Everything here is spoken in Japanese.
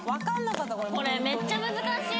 これめっちゃ難しい。